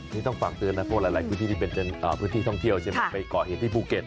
นี่ต้องฝากเตือนนะเพราะว่าหลายพื้นที่ที่เป็นพื้นที่ท่องเที่ยวใช่ไหมไปก่อเหตุที่ภูเก็ต